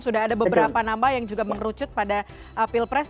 sudah ada beberapa nama yang juga mengerucut pada pilpres